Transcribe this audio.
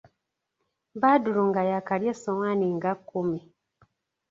Badru nga yaakalya essowaani nga kkumi.